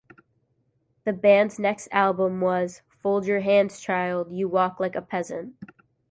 The band's next album was "Fold Your Hands Child, You Walk Like a Peasant".